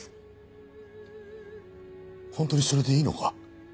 本当にそれでいいのか？